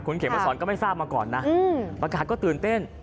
เขียนมาสอนก็ไม่ทราบมาก่อนนะประกาศก็ตื่นเต้น